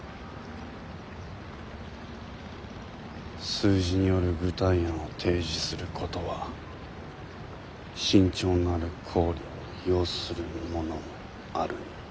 「数字による具体案を提示することは慎重なる考慮を要するものあるに」。